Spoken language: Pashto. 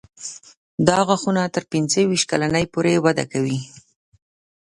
دا غاښونه تر پنځه ویشت کلنۍ پورې وده کوي.